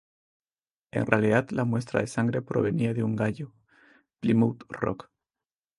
En realidad la muestra de sangre provenía de un gallo Plymouth Rock.